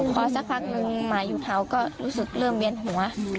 พอสักพักหนึ่งหมาอยู่เขาก็รู้สึกเริ่มเวียนหัว